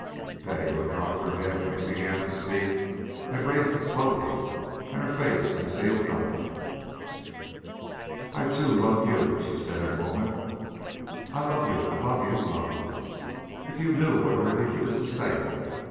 Betty, who had dropped her head when he began to speak, had raised it slowly, and her face concealed nothing. "I, too, love you," she said in a moment. "I love you, love you, love you. If you knew what a relief it is to say it.